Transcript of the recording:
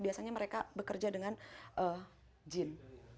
biasanya mereka bekerja dengan jin